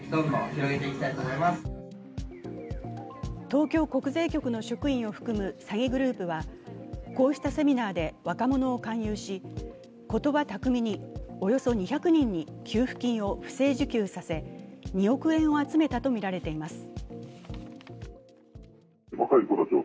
東京国税局の職員を含む詐欺グループはこうしたセミナーで若者を勧誘し、言葉巧みにおよそ２００人に給付金を不正受給させ２億円を集めたとみられています。